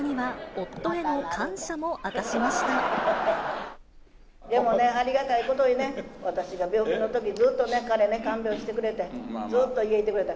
最後には、夫への感謝も明かでもね、ありがたいことにね、私が病気のとき、ずっとね、彼ね、看病してくれて、ずっと家いてくれた。